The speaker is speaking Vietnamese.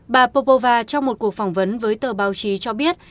bà popova trong một cuộc phỏng vấn với tờ báo chí cho biết